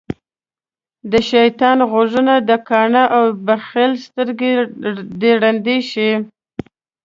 دشيطان غوږونه دکاڼه او دبخیل سترګی د ړندی شی